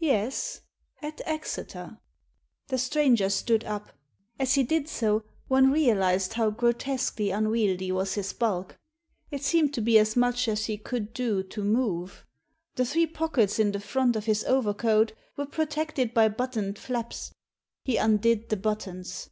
"Yes; at Exeter." The stranger stood up. As he did so, one realised how grotesquely unwieldy was his bulk. It seemed to be as much as he could do to move. The three pockets in the front of his overcoat were protected by buttoned flaps. He undid the buttons.